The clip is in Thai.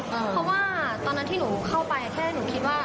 เพราะว่าตอนนั้นที่โดนเข้าไปแต่นี่ไม่ใช่คิดว่า